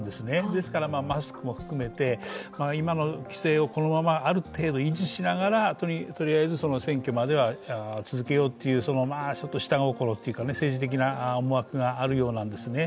ですからマスクを含めて、今の規制をこのままある程度維持しながらとりあえず選挙までは続けようという政治的な思惑があるようなんです。